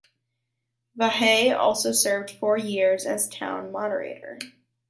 Vahey also served four years as town moderator.